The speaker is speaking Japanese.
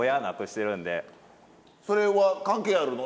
それは関係あるの？